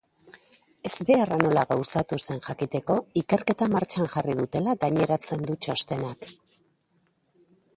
Ezbeharra nola gauzatu zen jakiteko ikerketa martxan jarri dutela gainetatzen du txostenak.